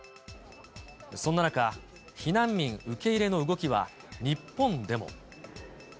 そんな中、避難民受け入れの動きは日本でも。